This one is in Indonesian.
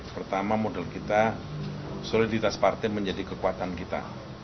pertama model kita soliditas partai menjadi kekuatan kita